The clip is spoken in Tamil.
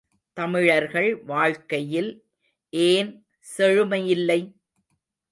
தமிழர்கள் வாழ்க்கையில் ஏன் செழுமையில்லை?